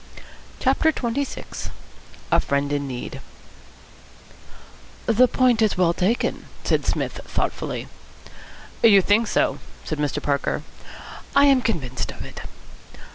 CHAPTER XXVI A FRIEND IN NEED "The point is well taken," said Psmith thoughtfully. "You think so?" said Mr. Parker. "I am convinced of it."